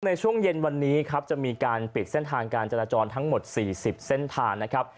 ในช่วงเย็นวันนี้ครับจะมีการปิดเส้นทางการจราจรทั้งหมด๔๐เส้นทางนะครับ